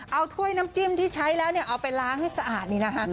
เอาถ้วยน้ำจิ้มที่ใช้แล้วเนี่ยเอาไปล้างให้สะอาดนี่นะคะ